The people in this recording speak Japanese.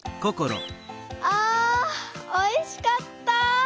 あおいしかった。